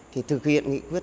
thì thực hiện nghị quyết